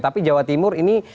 tapi jawa timur ini